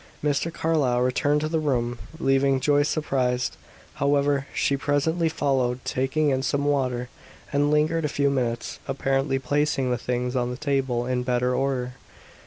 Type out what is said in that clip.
Mr. Carlyle returned to the room, leaving Joyce surprised. However, she presently followed, taking in some water, and lingered a few minutes, apparently placing the things on the table in better order.